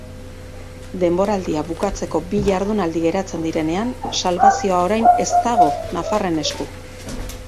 Denboraldia bukatzeko bi jardunaldi geratzen direnean, salbazioa orain ez dago nafarren esku.